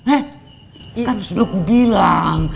eh kan sudah aku bilang